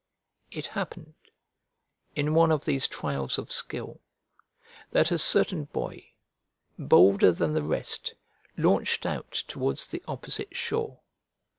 It happened, in one of these trials of skill, that a certain boy, bolder than the rest, launched out towards the opposite shore.